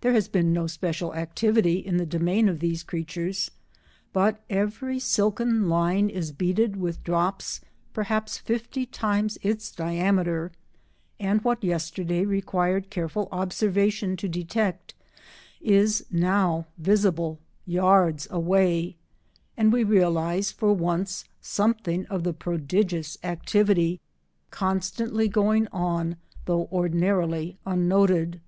There has been no special activity in the domain of these creatures, but every silken line is beaded with drops perhaps fifty times its diameter, and what yesterday required careful observation to detect is now visible yards away, and we realise for once something of the prodigious activity constantly going on though ordinarily unnoted.